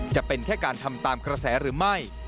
จะเป็นแค่การทำตามกระแสหรือไม่